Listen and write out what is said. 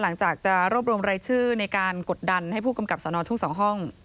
หลังจากจะรวบรวมรายชื่อในการกดดันให้ผู้กำกับสนทุ่ง๒ห้อง